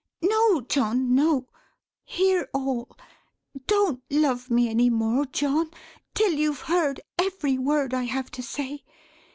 "No John, no! Hear all! Don't love me any more John, 'till you've heard every word I have to say.